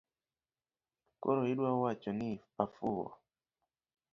Koro iduawacho ni afuwo?